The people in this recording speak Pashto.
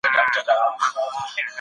ما خوب كړئ جانانه د ښكلا پر ځـنــګانــه